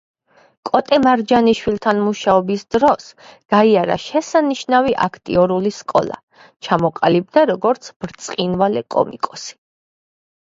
კოტე მარჯანიშვილთან მუშაობის დროს გაიარა შესანიშნავი აქტიორული სკოლა, ჩამოყალიბდა როგორც ბრწყინვალე კომიკოსი.